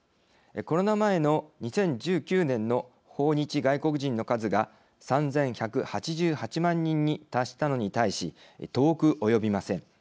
コロナ前の２０１９年の訪日外国人の数が３１８８万人に達したのに対し遠く及びません。